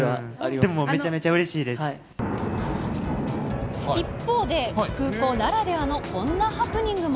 でもめちゃめちゃうれしいで一方で、空港ならではのこんなハプニングも。